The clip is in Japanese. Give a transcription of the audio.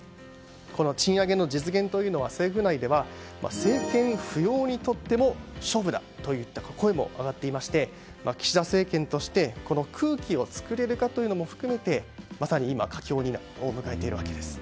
この賃上げの実現というのは政府内では政権浮揚にとっても勝負だといった声も上がっていまして岸田政権としては空気を作れるかというのも含めてまさに今、佳境を迎えているわけです。